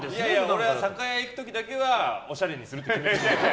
俺は酒屋行く時だけはおしゃれにするって決めてるので。